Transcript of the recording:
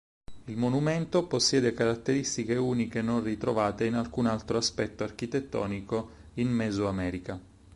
Il monumento possiede caratteristiche uniche non ritrovate in alcun altro aspetto architettonico in mesoamerica.